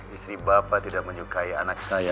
istri bapak tidak menyukai anak saya